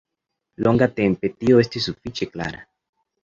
Longatempe tio estis sufiĉe klara.